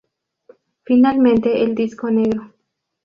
Finalmente el disco negro.